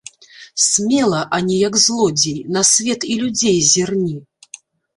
Смела, а не як злодзей, на свет і людзей зірні!